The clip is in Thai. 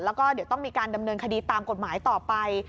แล้วก็เดี๋ยวต้องมีการดำเนินคดีตามกฎหมายต่อไป